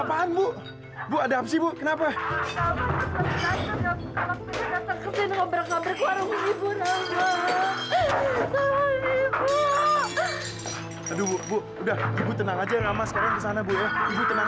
sampai jumpa di video selanjutnya